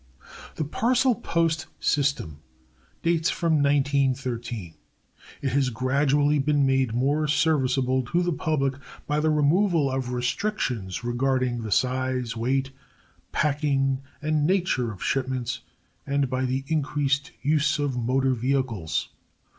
The parcel post system dates from 1913. It has gradually been made more serviceable to the public by the removal of restrictions regarding the size, weight, packing and nature of shipments and by the increased use of motor vehicles.